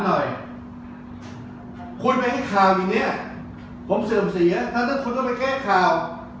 เจียรคุณไปให้ข่าวอย่างนี้ผมเสริมเสียฉะนั้นคุณก็ไปแกล้ข่าว